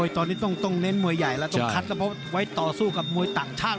ตอนนี้ต้องเน้นมวยใหญ่แล้วต้องคัดแล้วเพราะไว้ต่อสู้กับมวยต่างชาติ